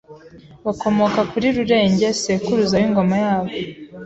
bakomoka kuri Rurenge sekuruza w'ingoma yabo.